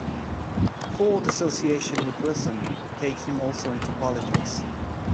Ford's association with Wilson would take him also into politics.